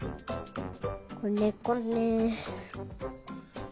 こねこね。